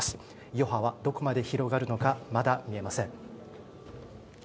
余波はどこまで広がるのかまだ見えません。